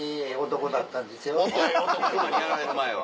熊にやられる前は。